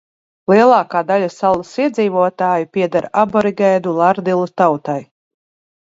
Lielākā daļa salas iedzīvotāju pieder aborigēnu lardilu tautai.